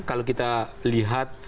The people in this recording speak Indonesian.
kalau kita lihat